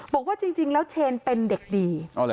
บอกว่าจริงแล้วเชนเป็นเด็กดี